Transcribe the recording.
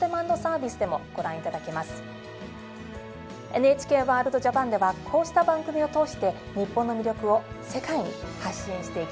「ＮＨＫワールドＪＡＰＡＮ」ではこうした番組を通して日本の魅力を世界に発信していきます。